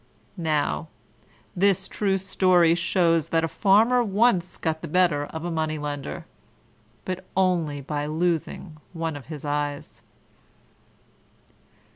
Now, this true story shows that a Farmer once got the better of a Money lender but only by losing one of his eyes.